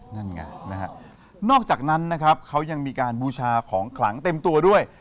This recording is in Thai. นั่นไงนะฮะนอกจากนั้นนะครับเขายังมีการบูชาของขลังเต็มตัวด้วย